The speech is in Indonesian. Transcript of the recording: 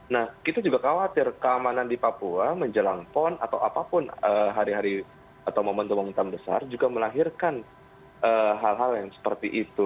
nah kita juga khawatir keamanan di papua menjelang pon atau apapun hari hari atau momentum momentum besar juga melahirkan hal hal yang seperti itu